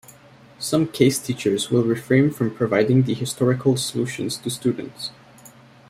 Some case teachers will refrain from providing the historical solution to students.